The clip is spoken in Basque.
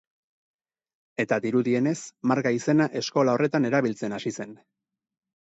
Eta dirudienez Marga izena eskola horretan erabiltzen hasi zen.